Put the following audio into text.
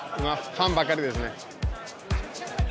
ファンばっかりですね。